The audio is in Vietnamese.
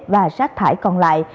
và rác thải còn lại